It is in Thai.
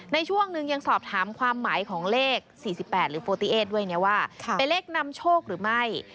ในช่วงหนึ่งยังสอบถามความหมายของเลข๔๘ด้วยเนี่ยว่าเป็นเลขนำโชคหรือไม่